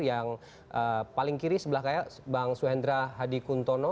yang paling kiri sebelah saya bang suhendra hadi kuntono